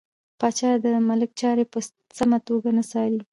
پاچا د ملک چارې په سمه توګه نه څاري .